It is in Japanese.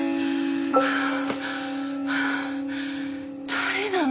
誰なの？